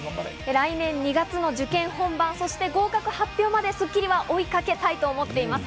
来年２月の受験本番、そして合格発表まで『スッキリ』は追いかけたいと思っています。